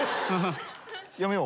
やめよう。